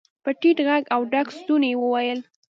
په ټيټ غږ او ډک ستوني يې وويل.